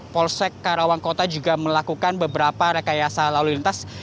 polsek karawang kota juga melakukan beberapa rekayasa lalu lintas